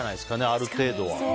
ある程度は。